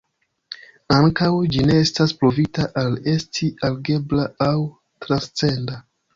Ankaŭ, ĝi ne estas pruvita al esti algebra aŭ transcenda.